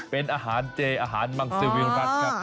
เป็นอาหารเจอาหารมังสือวิรัติครับ